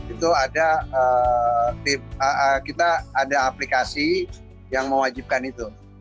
itu ada kita ada aplikasi yang mewajibkan itu